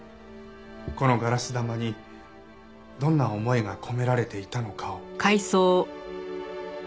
このガラス玉にどんな思いが込められていたのかを。